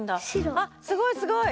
あっすごいすごい！